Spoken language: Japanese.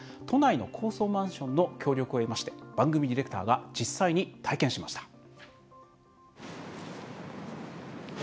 都内の高層マンションの協力を得まして番組ディレクターが実際に体験しました。